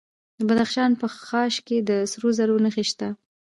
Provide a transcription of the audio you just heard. د بدخشان په خاش کې د سرو زرو نښې شته.